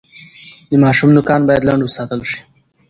د ماشوم نوکان باید لنډ وساتل شي۔